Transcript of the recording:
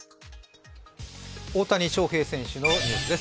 大谷翔平選手のニュースです。